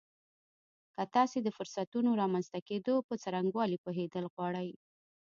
که تاسې د فرصتونو د رامنځته کېدو په څرنګوالي پوهېدل غواړئ.